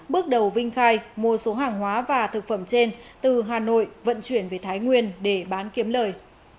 bước đầu vinh khai mua số hàng hóa và thực phẩm trên từ hà nội vận chuyển về thái nguyên để bán kiếm lời